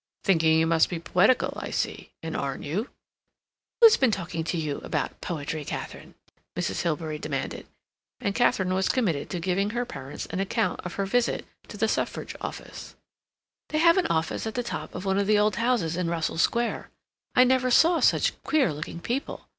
"Thinking you must be poetical, I see—and aren't you?" "Who's been talking to you about poetry, Katharine?" Mrs. Hilbery demanded, and Katharine was committed to giving her parents an account of her visit to the Suffrage office. "They have an office at the top of one of the old houses in Russell Square. I never saw such queer looking people.